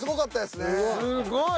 すごい。